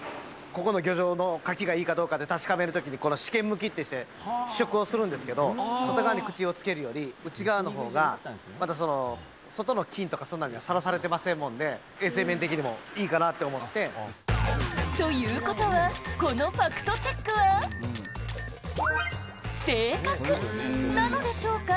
ここの漁場のカキがいいかどうかって確かめるときに、この試験むきってして、試食をするんですけど、外側に口をつけるより、内側のほうが、また外の菌とかそんなのにはさらされてませんもんで、ということは、このファクトチェックは正確なのでしょうか。